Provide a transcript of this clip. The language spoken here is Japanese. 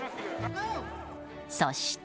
そして。